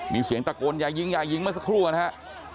มีเสียงตะโกนอย่ายิงอย่ายิงเมื่อสักครู่นะฮะ